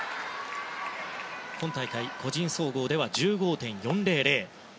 今大会個人総合では１５．４００。